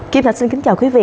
kim thạch xin kính chào quý vị